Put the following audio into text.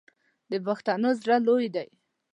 د پښتنو زړه لوی دی.